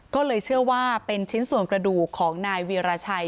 ก็เลยเชื่อว่าเป็นชิ้นส่วนกระดูกของนายวีรชัย